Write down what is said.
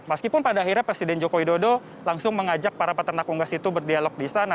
meskipun pada akhirnya presiden joko widodo langsung mengajak para peternak unggas itu berdialog di sana